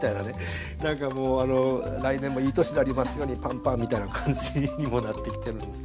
何かもう来年もいい年でありますようにパンパンみたいな感じにもなってきてるんです。